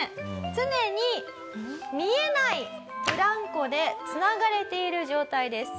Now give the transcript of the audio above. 常に見えないブランコで繋がれている状態です。